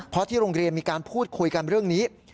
เพราะที่โรงเรียนมีการพูดคุยกันเรื่องนี้